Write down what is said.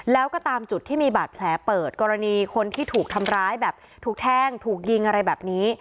แล้วก็ตามจุดที่มีบาดแผลเปิดกรณีคนที่ถูกทำร้ายแบบถูกแทงถูกยิงอะไรแบบนี้